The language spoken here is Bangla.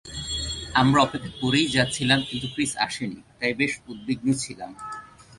আমরা অপেক্ষা করেই যাচ্ছিলাম কিন্তু ক্রিস আসেনি, তাই বেশ উদ্বিগ্ন ছিলাম।